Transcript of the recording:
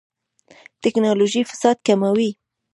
ټکنالوژي فساد کموي